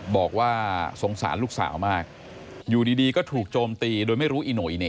บอกว่าสงสารลูกสาวมากอยู่ดีก็ถูกโจมตีโดยไม่รู้อีโน่อีเห